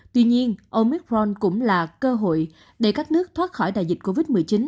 tuy nhiên omicron cũng là cơ hội để các nước thoát khỏi đại dịch covid một mươi chín